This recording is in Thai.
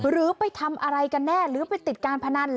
หรือไปทำอะไรกันแน่หรือไปติดการพนัน